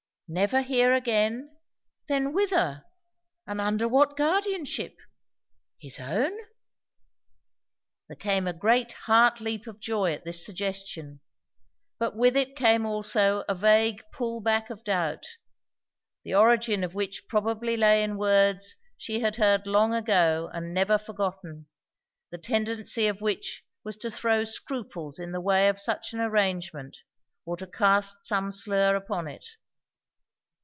Never here again? Then whither? and under what guardianship? His own? There came a great heart leap of joy at this suggestion, but with it came also a vague pull back of doubt; the origin of which probably lay in words she had heard long ago and never forgotten, the tendency of which was to throw scruples in the way of such an arrangement or to cast some slur upon it.